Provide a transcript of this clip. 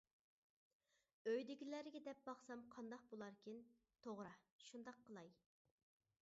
ئۆيدىكىلەرگە دەپ باقسام قانداق بولاركىن؟ توغرا، شۇنداق قىلاي.